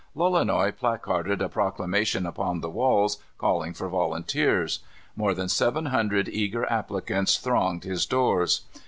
Lolonois placarded a proclamation upon the walls, calling for volunteers. More than seven hundred eager applicants thronged his doors.